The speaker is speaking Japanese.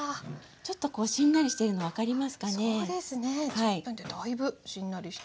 １０分ってだいぶしんなりしています。